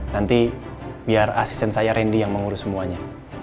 nanti biar asisten saya randy yang mengurus semuanya